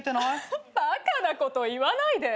「アハッバカなこと言わないで」